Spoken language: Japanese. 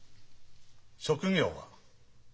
職業は？